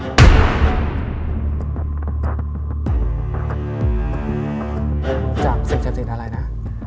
จากเสพเจ็บเสียดอะไรนะ